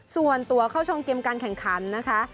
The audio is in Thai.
ส่วนตัวเข้าชมเกมการแข่งขันนะคะ